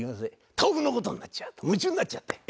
豆腐の事になっちゃうと夢中になっちゃって。